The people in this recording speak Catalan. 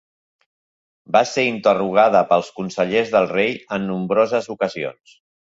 Va ser interrogada pels consellers del rei en nombroses ocasions.